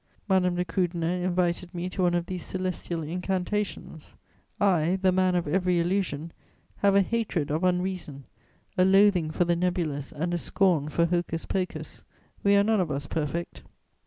Madame de Krüdener invited me to one of these celestial incantations: I, the man of every illusion, have a hatred of unreason, a loathing for the nebulous and a scorn for hocus pocus; we are none of us perfect.